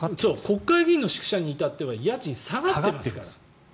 国会議員の宿舎に至っては家賃、下がってますから。